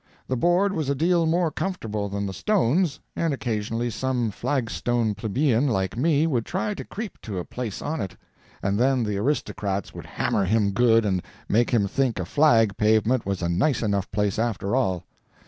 The board was a deal more comfortable than the stones, and occasionally some flag stone plebeian like me would try to creep to a place on it; and then the aristocrats would hammer him good and make him think a flag pavement was a nice enough place after all.